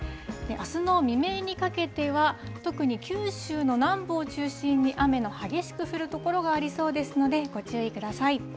あすの未明にかけては、特に九州の南部を中心に雨の激しく降る所がありそうですので、ご注意ください。